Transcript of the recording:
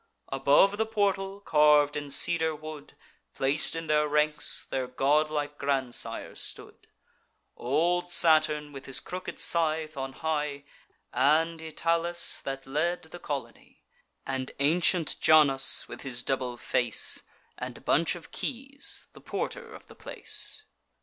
Above the portal, carv'd in cedar wood, Plac'd in their ranks, their godlike grandsires stood; Old Saturn, with his crooked scythe, on high; And Italus, that led the colony; And ancient Janus, with his double face, And bunch of keys, the porter of the place.